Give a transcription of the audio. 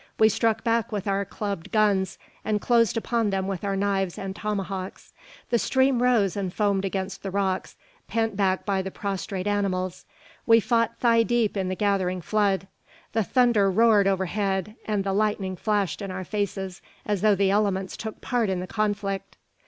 We struck back with our clubbed guns, and closed upon them with our knives and tomahawks. The stream rose and foamed against the rocks, pent back by the prostrate animals. We fought thigh deep in the gathering flood. The thunder roared overhead, and the lightning flashed in our faces, as though the elements took part in the conflict!